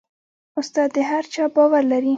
استاد د هر چا باور لري.